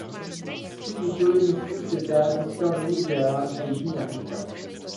Tři tituly mistrů světa získal Nový Zéland a Jižní Afrika.